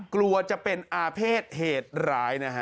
กลัวจะเป็นอาเภษเหตุร้ายนะฮะ